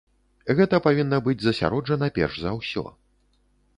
Гэта павінна быць засяроджана перш за ўсё.